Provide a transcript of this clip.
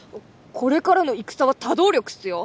これからの戦は多動力っすよ！